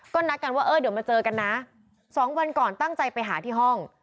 ก็นัดกันว่าเออเดี๋ยวมาเจอกันนะ๒วันก่อนตั้งใจไปหาที่ห้อง